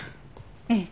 ええ。